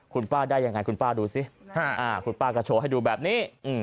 คุณป้าได้ยังไงคุณป้าดูสิคุณป้าก็โชว์ให้ดูแบบนี้